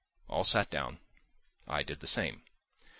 All sat down; I did the same.